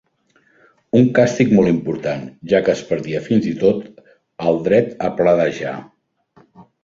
Un càstig molt important, ja que es perdia fins i tot al dret a pledejar.